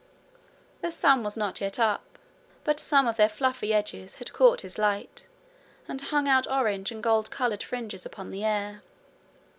The sun was not yet up, but some of their fluffy edges had caught his light, and hung out orange and gold coloured fringes upon the air.